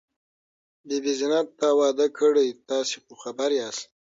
بي بي زينت، تا واده کړی؟ تاسې خو خبر یاست.